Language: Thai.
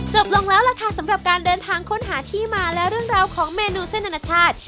จบลงแล้วล่ะค่ะสำหรับการเดินทางค้นหาที่มาและเรื่องราวของเมนูเส้นอนาชาติ